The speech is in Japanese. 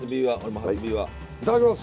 いただきます！